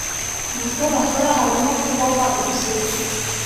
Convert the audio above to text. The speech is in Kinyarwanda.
Mu byo bakora harimo kuboha uduseke